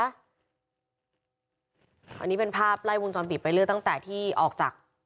อันนี้เป็นภาพไล่วงจรปิดไปเรื่อยตั้งแต่ที่ออกจาก